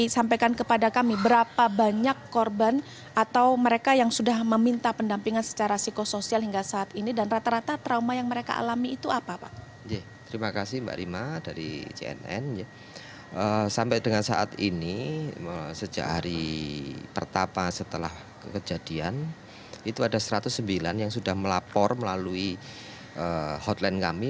sampai dengan saat ini sejak hari pertama setelah kejadian itu ada satu ratus sembilan yang sudah melapor melalui hotline kami